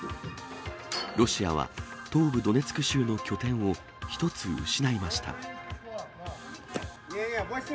ロシアは、東部ドネツク州の拠点を一つ失いました。